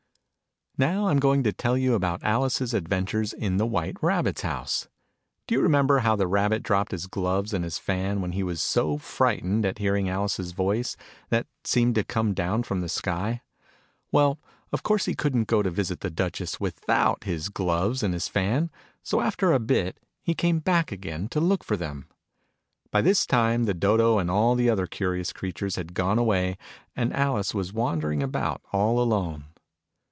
Now I'm going to tell you about Alice's Adventures in the White Rabbit's house. Do you remember how the Rabbit dropped his gloves and his fan, when he was so frightened at hearing Alice's voice, that seemed to come down from the sky ? Well, of course he couldn't go to visit the Duchess without his gloves and his fan : so, after a bit, he came back again to look for them. By this time the Dodo and all the other curious creatures had gone away, and Alice was wandering about all alone.